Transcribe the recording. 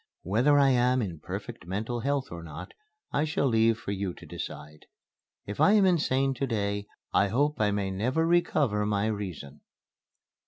Whether I am in perfect mental health or not, I shall leave for you to decide. If I am insane to day I hope I may never recover my Reason."